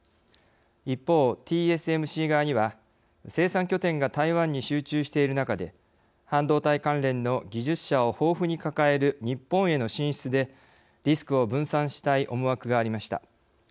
一方、ＴＳＭＣ側には生産拠点が台湾に集中している中で半導体関連の技術者を豊富に抱える日本への進出でリスクを分散したい思惑がありました。